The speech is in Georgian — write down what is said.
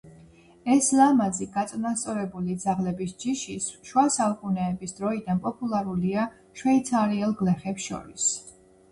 ეს ლამაზი, გაწონასწორებული ძაღლების ჯიში შუა საუკუნეების დროიდან პოპულარულია შვეიცარიელ გლეხებს შორის.